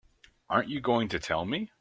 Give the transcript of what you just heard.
Aren't you going to tell me?